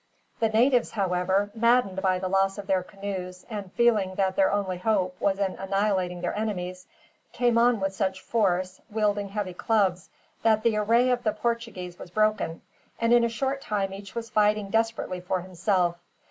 The natives, however, maddened by the loss of their canoes, and feeling that their only hope was in annihilating their enemies, came on with such force, wielding heavy clubs, that the array of the Portuguese was broken, and in a short time each was fighting desperately for himself.